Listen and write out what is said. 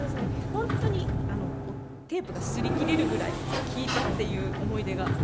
本当にテープがすり切れるぐらい聴いたっていう思い出があります。